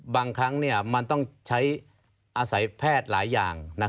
บางครั้งมันต้องใช้อาศัยแพทย์หลายอย่าง